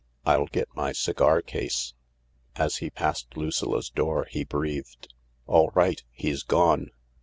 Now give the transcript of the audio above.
I'll get my cigar case." As he passed Lucilla 's door he breathed, "All right he's gone."